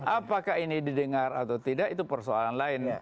apakah ini didengar atau tidak itu persoalan lain